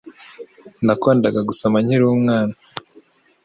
Nakundaga gusoma nkiri umwana.